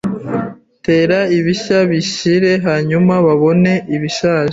'Tera ibishya bishire hanyuma babone ibishaje